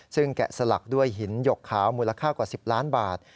ซึ่งแกะสลักด้วยหินหยกขาวมูลค่ากว่า๑๐ล้านบาท